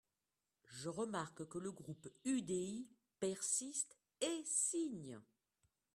Je remarque que le groupe UDI persiste, Et signe